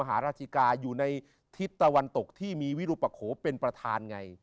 หาราชิกาอยู่ในทิศตะวันตกที่มีวิรุปโขเป็นประธานไง